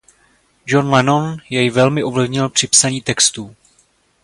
John Lennon jej velmi ovlivnil při psaní textů.